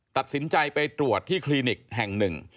ตัดสินใจไปตรวจที่คลินิกแห่งหนึ่ง